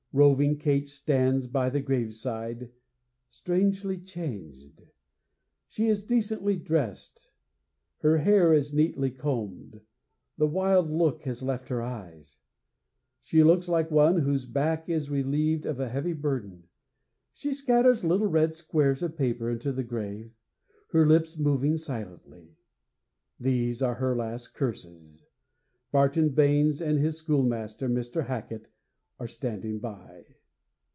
Roving Kate stands by the graveside, strangely changed. She is decently dressed; her hair is neatly combed; the wild look has left her eyes. She looks like one whose back is relieved of a heavy burden. She scatters little red squares of paper into the grave, her lips moving silently. These are her last curses. Barton Baynes and his schoolmaster, Mr. Hacket, are standing by.